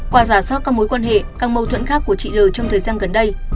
qua giả soát các mối quan hệ các mâu thuẫn khác của chị l trong thời gian gần đây